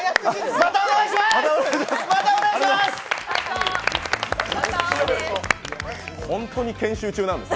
またお願いしまーす！